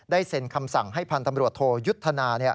เซ็นคำสั่งให้พันธ์ตำรวจโทยุทธนา